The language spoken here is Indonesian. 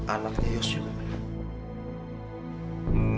anaknya yus juga bang